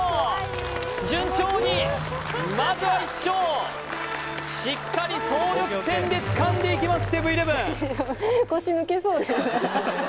順調にまずは１勝しっかり総力戦でつかんでいきます